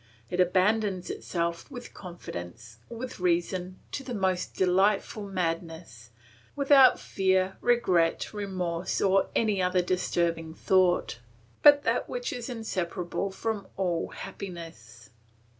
It abandons itself, with confidence, with reason, to the most delightful madness, without fear, regret, remorse, or any other disturbing thought, but that which is inseparable from all happiness.